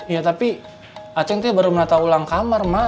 ya tapi acing tuh baru menata ulang kamar mak